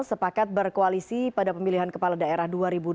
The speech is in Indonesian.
sepakat berkoalisi pada pemilihan kepala daerah dua ribu dua puluh